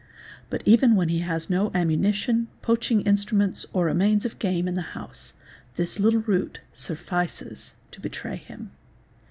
But even when he has no ammunition, poaching instruments, or remains of game in the house, this little root suffices to betray him.